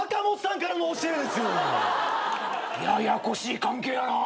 ややこしい関係やなぁ。